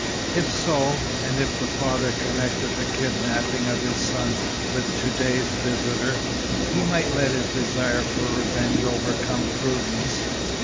If so, and if the father connected the kidnapping of his son with to day's visitor, he might let his desire for revenge overcome prudence.